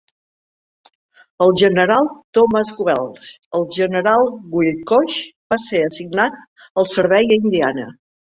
El general Thomas Welsh, el general Willcox va ser assignat al servei a Indiana.